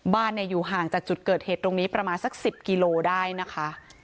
บ้านอยู่ห่างจากจุดเกิดเหตุตรงนี้ประมาณสัก๑๐กิโลได้นะคะ